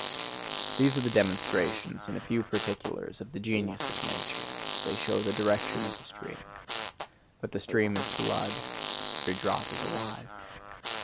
These are the demonstrations in a few particulars of the genius of nature; they show the direction of the stream. But the stream is blood; every drop is alive.